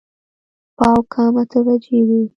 پاو کم اته بجې وې.